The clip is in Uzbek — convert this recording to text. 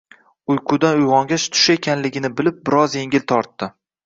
Uyqudan uyg`ongach, tushi ekanligini bilib, biroz engil tortdi